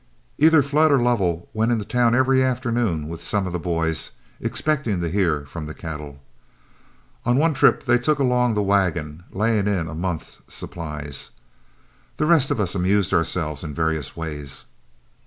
Either Flood or Lovell went into town every afternoon with some of the boys, expecting to hear from the cattle. On one trip they took along the wagon, laying in a month's supplies. The rest of us amused ourselves in various ways.